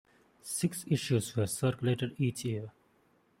Six issues were circulated each year.